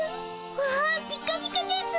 わあピカピカですぅ。